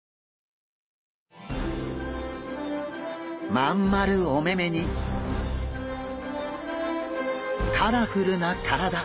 真ん丸お目々にカラフルな体。